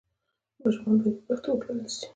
ماشومان باید په پښتو وپالل سي.